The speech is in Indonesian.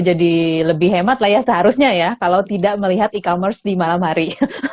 lebih hemat lah ya seharusnya ya kalau tidak melihat e commerce di malam hari